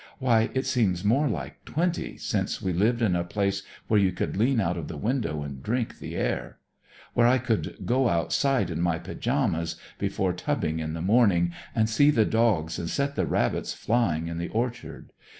Why, it seems more like twenty, since we lived in a place where you could lean out of the window and drink the air; where I could go outside in my pyjamas before tubbing in the morning, and see the dogs, and set the rabbits flying in the orchard.